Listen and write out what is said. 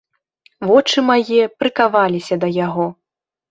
Вочы мае прыкаваліся да яго.